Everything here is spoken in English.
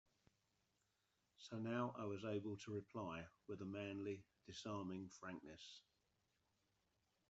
So now I was able to reply with a manly, disarming frankness.